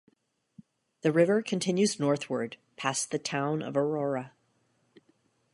The river continues northward past the town of Aurora.